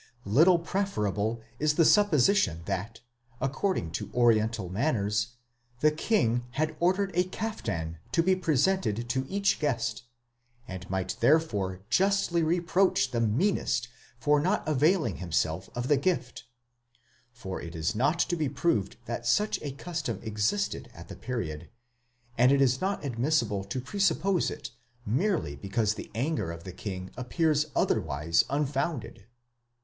2" Little preferable is the sup position that, according to oriental manners, the king had ordered a caftan to be presented to each guest, and might therefore justly reproach the meanest for not availing himself of the gift; *8 for it is not to be proved that such a custom existed at the period,?® and it is not admissible to presuppose it merely because the anger of the king appears otherwise unfounded.